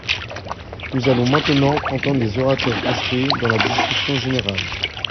Nous allons maintenant entendre les orateurs inscrits dans la discussion générale.